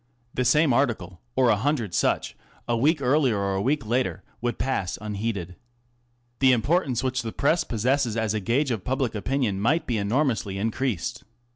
The same article, or a hundred such, a week earlier or a week later, would pass unheeded. f The importance which the Press possesses as a gauge of public ] opinion might be enormously increased.